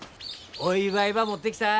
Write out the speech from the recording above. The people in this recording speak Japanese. お祝いば持ってきた。